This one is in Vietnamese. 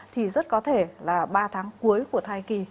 thì rất có thể là ba tháng cuối của thai kỳ